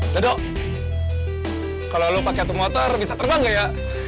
dodo kalau lo pakai motor bisa terbang nggak ya